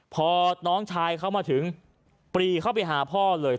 พอน้องชายเข้ามาถึงปรีเข้าไปหาพ่อเลย